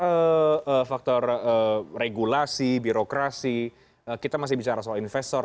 baik pak selain faktor regulasi birokrasi kita masih bicara soal investor